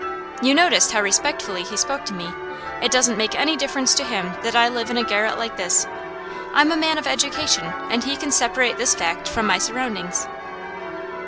You noticed how respectfully he spoke to me? It doesn't make any difference to him that I live in a garret like this; I'm a man of education, and he can separate this fact from my surroundings.